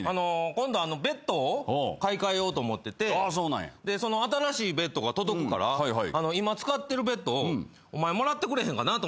今度ベッドを買い替えようと思っててでその新しいベッドが届くから今使ってるベッドをお前もらってくれへんかなと思って。